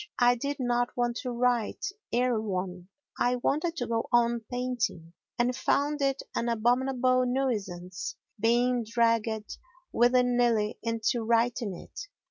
I did not want to write Erewhon, I wanted to go on painting and found it an abominable nuisance being dragged willy nilly into writing it.